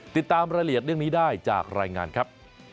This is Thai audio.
ติดตามรายละเอียดเรื่องนี้ได้จากรายงานครับ